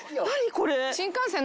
これ。